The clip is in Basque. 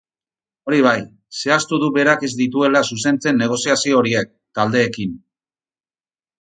Hori bai, zehaztu du berak ez dituela zuzentzen negoziazio horiek, taldeekin.